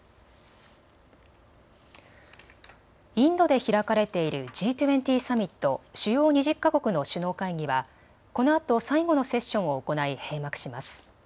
インドで開かれているＧ２０サミット・主要２０か国の首脳会議はこのあと最後のセッションを行い、閉幕します。